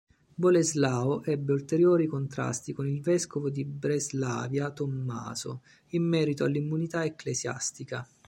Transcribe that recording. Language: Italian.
Boleslao ebbe ulteriori contrasti con il vescovo di Breslavia Tommaso, in merito all'immunità ecclesiastica.